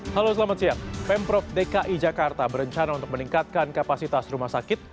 halo selamat siang pemprov dki jakarta berencana untuk meningkatkan kapasitas rumah sakit